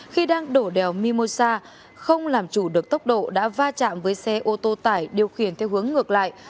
khi đang đổ đèo mimosa không làm chủ được tốc độ đã va chạm với xe ô tô tải điều khiển theo hướng ngược lại